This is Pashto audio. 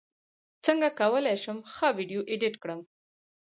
څنګه کولی شم ښه ویډیو ایډیټ کړم